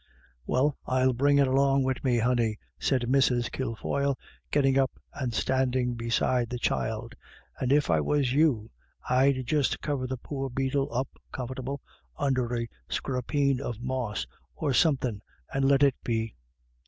" Well, I'll bring it along wid me, honey," said Mrs. Kilfoyle, getting up and standing beside the child, "and if I was you, I'd just cover the poor beetle up comfortable under a scrapeen of moss or somethin' and let it be."